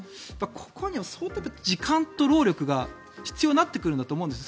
ここには相当時間と労力が必要になってくるんです。